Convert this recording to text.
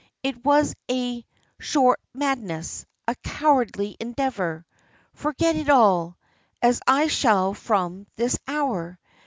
It was a short madness, a cowardly endeavour. Forget it all, as I shall from this hour.